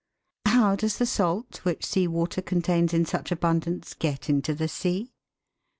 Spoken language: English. How does the salt, which sea water contains in such abundance, get into the sea